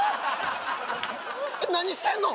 何してんの？